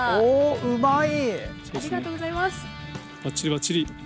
うまい！